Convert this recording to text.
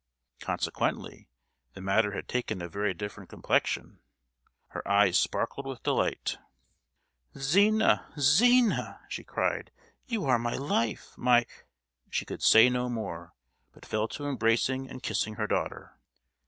Consequently, the matter had taken a very different complexion. Her eyes sparkled with delight: "Zina, Zina!" she cried; "you are my life, my——" She could say no more, but fell to embracing and kissing her daughter.